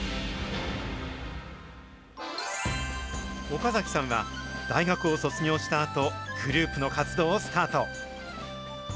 岡崎さんは大学を卒業したあと、グループの活動をスタート。